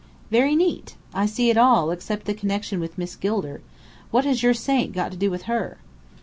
"Very neat! I see it all, except the connection with Miss Gilder. What has your saint got to do with her?"